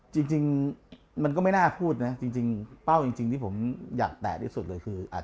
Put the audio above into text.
จริงมันก็ไม่น่าพูดนะจริงเป้าจริงที่ผมอยากแตะที่สุดเลยคือ